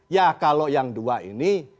ya kalau yang dua ini